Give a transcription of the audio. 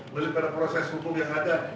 melihat pada proses hukum yang ada